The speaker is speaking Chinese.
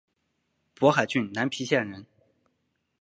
勃海郡南皮县人。